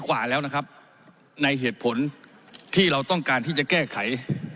กว่าแล้วนะครับในเหตุผลที่เราต้องการที่จะแก้ไข